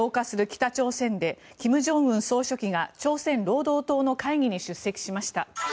北朝鮮で金正恩総書記が朝鮮労働党の会議に出席しました。